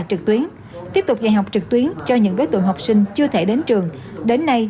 trực tuyến tiếp tục dạy học trực tuyến cho những đối tượng học sinh chưa thể đến trường đến nay